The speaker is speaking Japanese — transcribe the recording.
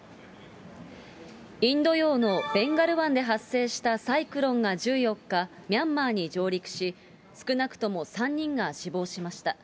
インド洋のベンガル湾で発生したサイクロンが１４日、ミャンマーに上陸し、少なくとも３人が死亡しました。